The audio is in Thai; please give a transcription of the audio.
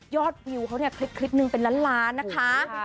วิวเขาเนี่ยคลิปนึงเป็นล้านล้านนะคะ